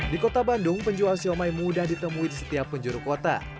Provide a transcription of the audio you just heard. di kota bandung penjual siomay mudah ditemui di setiap penjuru kota